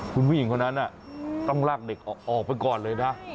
คุณผู้หญิงคนนั้นต้องลากเด็กออกไปก่อนเลยนะ